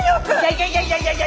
いやいやいや！